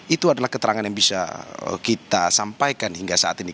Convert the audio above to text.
itu adalah keterangan yang bisa kita sampaikan hingga saat ini